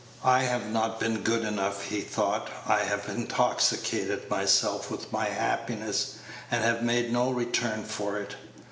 "I have not been good enough," he thought; "I have intoxicated myself with my happiness, and have made no return for it.